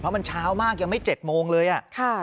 เพราะมันเช้ามากยังไม่๗โมงเลย